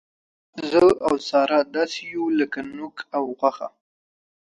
زه او ساره داسې یو لک نوک او غوښه.